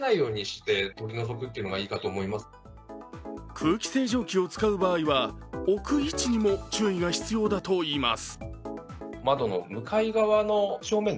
空気清浄機を使う場合は、置く位置にも注意が必要だといいます。